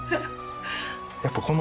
やっぱこの。